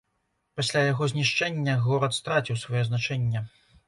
Пасля яго знішчэння горад страціў сваё значэнне.